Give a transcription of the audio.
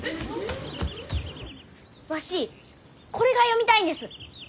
わしこれが読みたいんです。